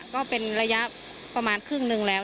ก็เป็นระยะประมาณครึ่งนึงแล้ว